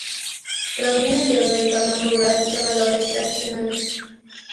Proviene de un entorno rural de valores tradicionales.